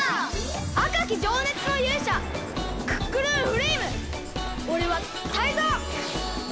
あかきじょうねつのゆうしゃクックルンフレイムおれはタイゾウ！